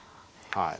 はい。